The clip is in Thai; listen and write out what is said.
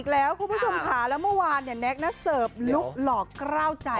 คุณผู้ชมขาแล้วเมื่อวานเน็ตเน็ตเสิร์ฟลุคหล่อกล้าวใจ